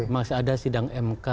masih ada sidang mk